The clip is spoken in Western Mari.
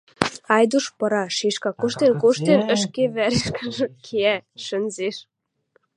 Айдуш пыра, шишка, куштен-куштен, ӹшке вӓрӹшкӹжӹ кеӓ, шӹнзеш.